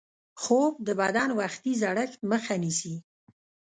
خوب د بدن وختي زړښت مخه نیسي